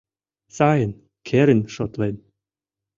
Сайын, керын шотлен